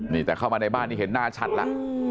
นี่แต่เข้ามาในบ้านนี่เห็นหน้าชัดแล้ว